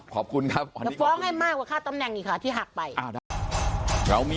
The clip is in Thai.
ขอบคุณครับ